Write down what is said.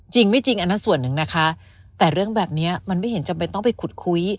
จริงไม่จริงอันนั้นส่วนหนึ่งนะคะแต่เรื่องแบบนี้มันไม่เห็นจำเป็นต้องไปขุดคุย